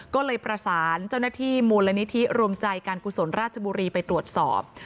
ก็เลยประสานเจ้าหน้าที่มูลนิธิรวมใจการกุศลราชบุรีไปตรวจสอบ